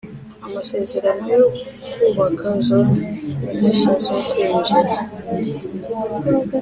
Amasezerano Yo Kubaka Zone N Impushya Zo kwinjira